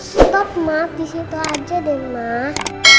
stop mak disitu aja deh mak